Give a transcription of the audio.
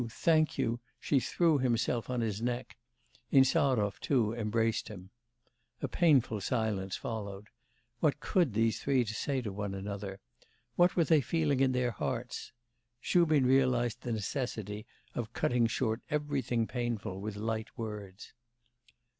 thank you!' she threw herself on his neck; Insarov, too, embraced him. A painful silence followed. What could these three say to one another? what were they feeling in their hearts? Shubin realised the necessity of cutting short everything painful with light words.